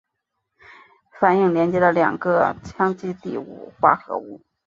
反应连接了两个羰基底物化合物。